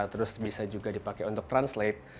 terus bisa juga dipakai untuk translate